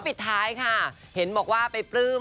ปิดท้ายค่ะเห็นบอกว่าไปปลื้ม